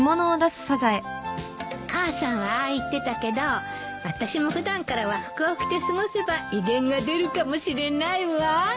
母さんはああ言ってたけどあたしも普段から和服を着て過ごせば威厳が出るかもしれないわ。